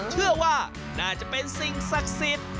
เชื่อว่าน่าจะเป็นสิ่งศักดิ์สิทธิ์